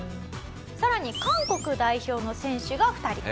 さらに韓国代表の選手が２人。